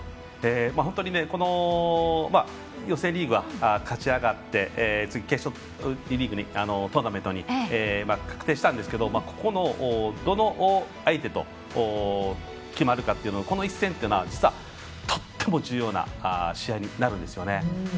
本当に予選リーグは勝ち上がって決勝トーナメントに確定したんですけどここのどの相手と決まるかというのは、この一戦は実は、とっても重要な試合になるんですよね。